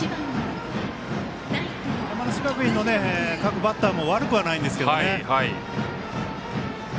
山梨学院の各バッターも悪くはないんですけどね。